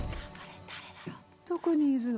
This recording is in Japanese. どこにいるの？